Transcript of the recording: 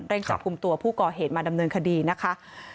จับกลุ่มตัวผู้ก่อเหตุมาดำเนินคดีนะคะ